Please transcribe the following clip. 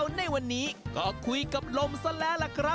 อันนี้ถูกกว่าแล้ว